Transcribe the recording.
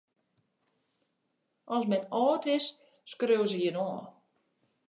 Ast men âld is, skriuwe se jin ôf.